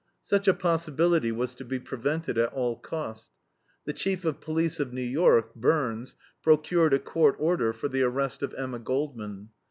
Such a possibility was to be prevented at all cost. The Chief of Police of New York, Byrnes, procured a court order for the arrest of Emma Goldman.